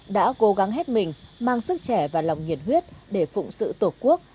đã cố gắng hết mình mang sức trẻ và lòng nhiệt huyết để phụng sự tổ quốc